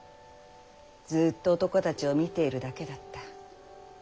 ずうっと男たちを見ているだけだった。